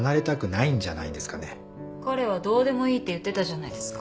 彼はどうでもいいって言ってたじゃないですか。